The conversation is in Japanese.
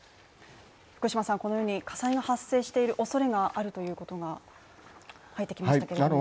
福島さん、このように火災が発生しているおそれがあるということが入ってきましたが？